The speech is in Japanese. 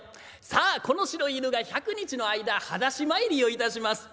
さあこの白い犬が１００日の間はだし参りをいたします。